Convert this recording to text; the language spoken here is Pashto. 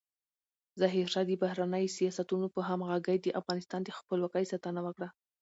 ظاهرشاه د بهرنیو سیاستونو په همغږۍ د افغانستان د خپلواکۍ ساتنه وکړه.